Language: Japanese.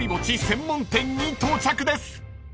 専門店に到着です］